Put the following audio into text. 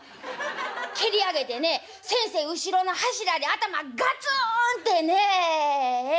蹴り上げてね先生後ろの柱で頭ガツンってねえええ。